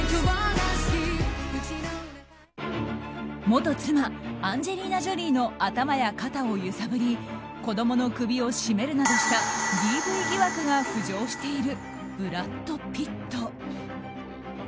元妻アンジェリーナ・ジョリーの頭や肩を揺さぶり子供の首を絞めるなどしたＤＶ疑惑が浮上しているブラッド・ピット。